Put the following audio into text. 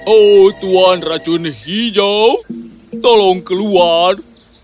oh tuan racun hijau tolong keluar